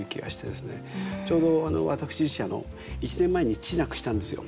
ちょうど私自身１年前に父亡くしたんですよ。